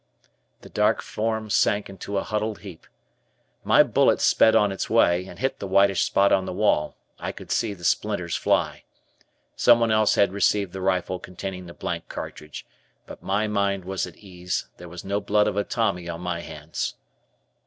The dark form sank into a huddled heap. My bullet sped on its way, and hit the whitish spot on the wall; I could see the splinters fly. Someone else had received the rifle containing the blank cartridge, but my mind was at ease, there was no blood of a Tommy on my hands.